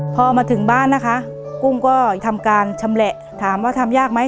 พอมาถึงบ้านนะคะกุ้งก็ทำการชำแหละถามว่าทำยากไหม